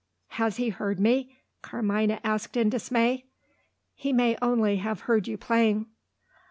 "Has he heard me?" Carmina asked in dismay. "He may only have heard you playing."